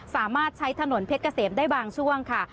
สามารถใช้ถนนเพชรเกษมได้บางช่วงค่ะ